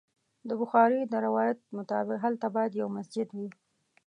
د بخاري د روایت مطابق هلته باید یو مسجد وي.